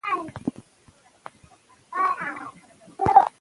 کتاب د تمدنونو تر منځ د اړیکو او تفاهم یوازینۍ لاره ده.